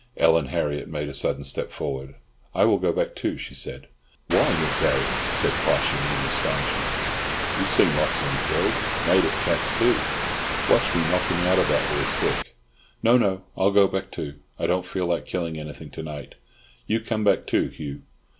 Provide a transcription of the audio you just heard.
Ellen Harriott made a sudden step forward. "I will go back too," she said. "Why, Miss Harriott!" said Poss in astonishment, "You've seen lots of 'em killed. Native cats, too. Watch me knock him out of that with a stick." "No, no, I'll go back, too. I don't feel like killing anything to night. You come back too, Hugh."